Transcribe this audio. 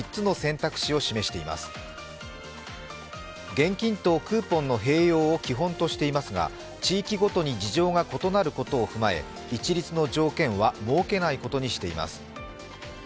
現金とクーポンの併用を基本としていますが地域ごとに事情が異なることを踏まえ、一律の条件は設けないことにしています。